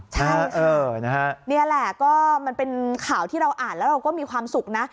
ใช่นะฮะนี่แหละก็มันเป็นข่าวที่เราอ่านแล้วเราก็มีความสุขนะ